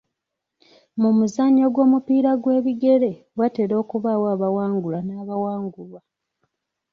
Mu muzannyo gw'omupiira gw'ebigere watera okubaawo abawangula n'abawangulwa.